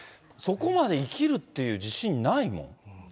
そこまで生きるっていう自信ないもん。